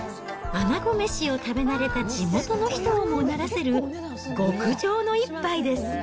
あなごめしを食べ慣れた地元の人をもうならせる、極上の一杯です。